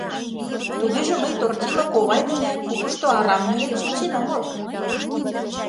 Тугеже мый Тортила ковай дене купышто арам нӧрен шинчен омыл...